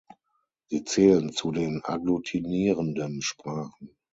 Sie zählen zu den Agglutinierenden Sprachen.